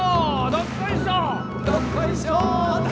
どっこいしょ！